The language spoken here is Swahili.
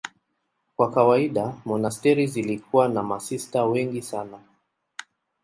Kwa kawaida monasteri zilikuwa na masista wengi sana.